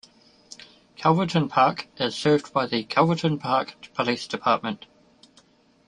Calverton Park is served by the Calverton Park Police Department.